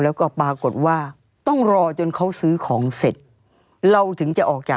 แล้วก็ปรากฏว่าต้องรอจนเขาซื้อของเสร็จ